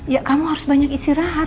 ya kamu harus banyak istirahat